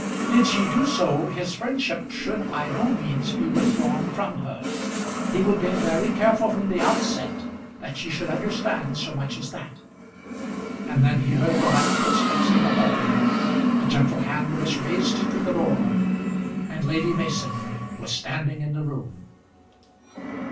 Did she do so, his friendship should by no means be withdrawn from her. He would be very careful from the onset that she should understand so much as that. And then he heard the light footsteps in the hall; the gentle hand was raised to the door, and Lady Mason was standing in the room.